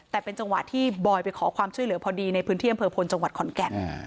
แต่เป็นจังหวะที่บอยไปขอความช่วยเหลือพอดีในพื้นที่อำเภอพลจังหวัดขอนแก่น